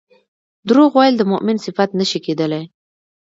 دروغ ويل د مؤمن صفت نه شي کيدلی